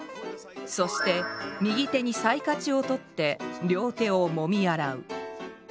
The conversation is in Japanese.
そして右手に皀莢をとって両手をもみ洗う。